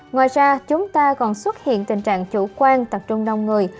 ngoài ra chúng ta còn xuất hiện tình trạng chủ quan tập trung đông người